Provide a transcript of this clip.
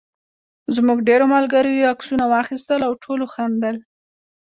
زموږ ډېرو ملګرو یې عکسونه واخیستل او ټولو خندل.